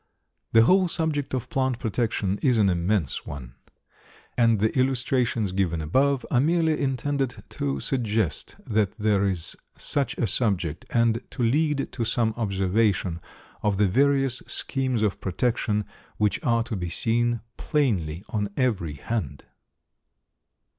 The whole subject of plant protection is an immense one, and the illustrations given above are merely intended to suggest that there is such a subject, and to lead to some observation of the various schemes of protection which are to be seen plainly on every hand.